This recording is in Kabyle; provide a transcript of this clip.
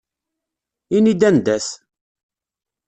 Ini-d anda-t!